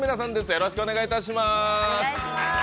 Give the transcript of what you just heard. よろしくお願いします。